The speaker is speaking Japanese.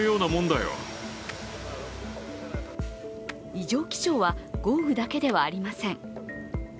異常気象は、豪雨だけではありません。